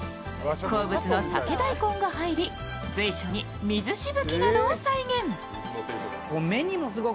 好物の鮭大根が入り、随所に水しぶきなどを再現。